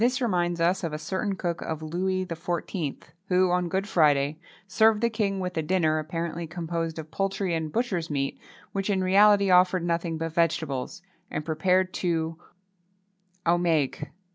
This reminds us of a certain cook of Louis XIV., who, on Good Friday, served the king with a dinner, apparently composed of poultry and butcher's meat, which, in reality, offered nothing but vegetables, and prepared, too, au maigre.